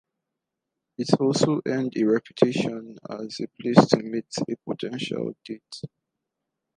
It also earned a reputation as a place to meet a potential date.